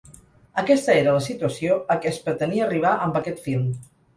Aquesta era la situació a què es pretenia arribar amb aquest film.